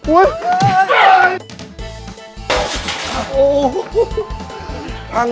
ว้าย